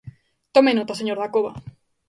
Tome nota, señor Dacova.